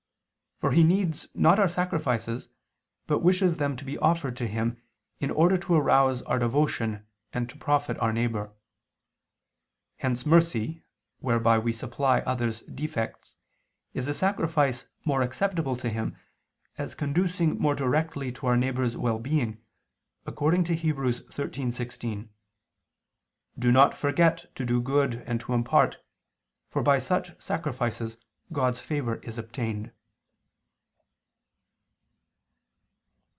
For He needs not our sacrifices, but wishes them to be offered to Him, in order to arouse our devotion and to profit our neighbor. Hence mercy, whereby we supply others' defects is a sacrifice more acceptable to Him, as conducing more directly to our neighbor's well being, according to Heb. 13:16: "Do not forget to do good and to impart, for by such sacrifices God's favor is obtained."